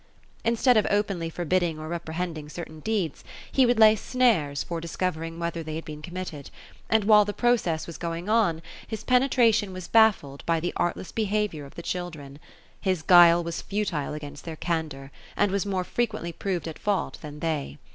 Instead of openly forbidding or reprehending certain deeds, he would lay snares for discovering whether they had been committed ; and while the process was going on, his penetration was baffled, by the art less behavior of the children. His guile was futile against their candor ; and was more frequently proved at fault than they.